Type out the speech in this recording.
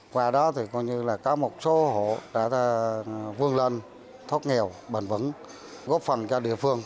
qua đó có một số hộ đã vươn lên thốt nghèo bền vững góp phần cho địa phương